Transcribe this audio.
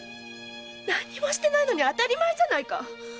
何もしてないのに当たり前じゃないか！